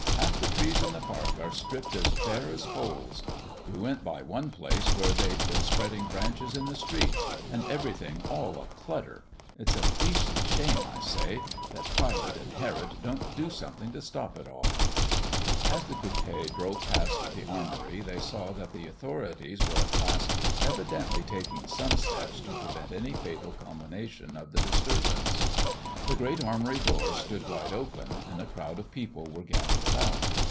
Half the trees in the park are stripped as bare as poles. We went by one place where they'd been spreading branches in the street, and everything all a clutter. It's a beastly shame, I say, that Pilate and Herod don't do something to stop it all." As the coupé drove past the armory they saw that the authorities were at last evidently taking some steps to prevent any fatal culmination of the disturbance. The great armory doors stood wide open, and a crowd of people were gathered about.